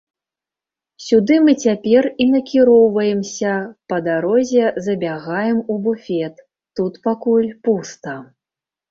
Сюды мы цяпер і накіроўваемся, па дарозе забягаем у буфет, тут пакуль пуста.